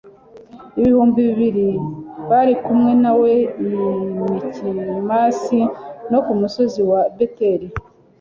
ibihumbi bibiri bari kumwe na we i mikimasi no ku musozi wa beteli